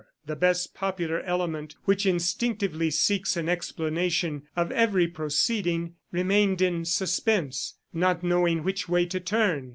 The best popular element, which instinctively seeks an explanation of every proceeding, remained in suspense, not knowing which way to turn.